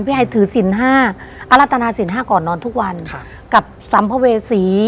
พี่ให้ถือสินห้าอรัตนาสินห้าก่อนนอนทุกวันค่ะกับสำพเวศี